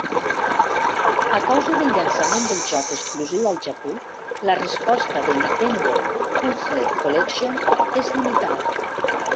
A causa del llançament del joc exclusiu al Japó, la resposta de "Nintendo Puzzle Collection" és limitada.